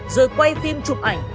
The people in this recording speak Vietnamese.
rồi quay phim chụp ảnh